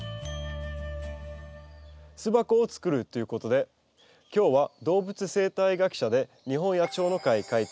巣箱を作るということで今日は動物生態学者で日本野鳥の会会長